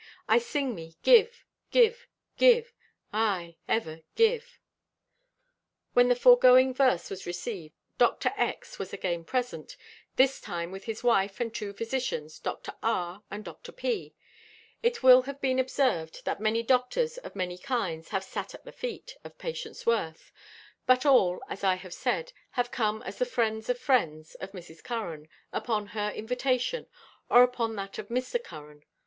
I sing me Give! Give! Give! Aye, ever Give! When the foregoing verse was received, Dr. X. was again present, this time with his wife and two physicians, Dr. R. and Dr. P. It will have been observed that many doctors of many kinds have "sat at the feet" of Patience Worth, but all, as I have said, have come as the friends of friends of Mrs. Curran, upon her invitation, or upon that of Mr. Curran.